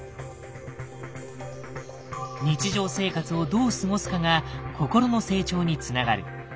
日常生活をどう過ごすかが心の成長につながる。